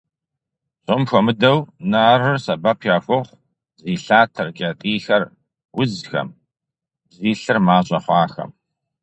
Псом хуэмыдэу нарыр сэбэп яхуохъу зи лъатэр, кӀэтӀийхэр узхэм, зи лъыр мащӀэ хъуахэм.